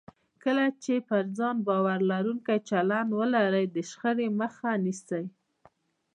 کله چې پر ځان باور لرونکی چلند ولرئ، د شخړې مخه نیسئ.